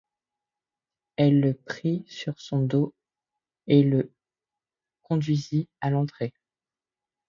Elle le prit sur son dos et le conduisit à l'entrée.